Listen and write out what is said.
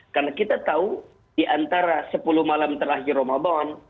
karena kita tahu di antara sepuluh malam terakhir ramadan